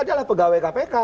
dia lah pegawai kpk